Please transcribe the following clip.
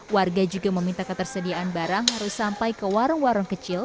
warga juga meminta ketersediaan barang harus sampai ke warung warung kecil